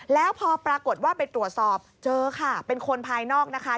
แล้วพอปรากฏว่าไปตรวจสอบเจอค่ะเป็นคนภายนอกนะคะ